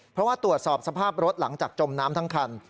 เพราะว่าตรวจสอบสภาพรถหลังจากจมน้ำทั้งคัน